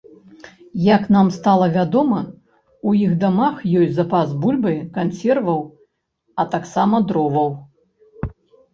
Як нам стала вядома, у іх дамах ёсць запас бульбы, кансерваў, а таксама дроваў.